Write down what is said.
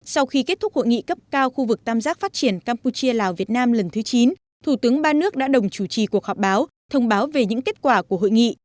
sau khi kết thúc hội nghị cấp cao khu vực tam giác phát triển campuchia lào việt nam lần thứ chín thủ tướng ba nước đã đồng chủ trì cuộc họp báo thông báo về những kết quả của hội nghị